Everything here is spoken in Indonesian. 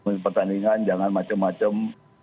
mengini pertandingan jangan macem macem